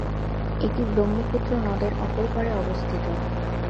এটি ব্রহ্মপুত্র নদের অপর পাড়ে অবস্থিত।